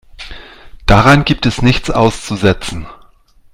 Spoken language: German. Daran gibt es nichts auszusetzen.